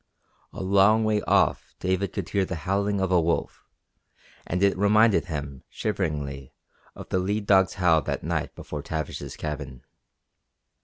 A long way off David could hear the howling of a wolf and it reminded him shiveringly of the lead dog's howl that night before Tavish's cabin.